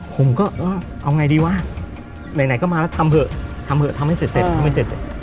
ผมก็เอาไงดีวะไหนก็มาแล้วทำเถอะทำให้เสร็จ